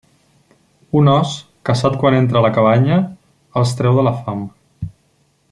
Un ós, caçat quan entra a la cabanya, els treu de la fam.